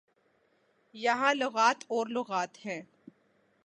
یہاں لغات اور لغات ہے۔